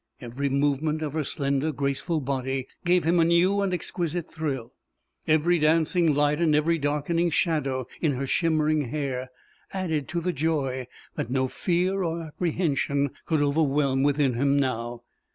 Every movement of her slender, graceful body gave him a new and exquisite thrill; every dancing light and every darkening shadow in her shimmering hair added to the joy that no fear or apprehension could overwhelm within him now.